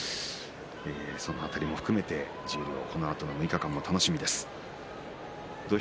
その辺りも含めて十両このあとの６日間楽しみです。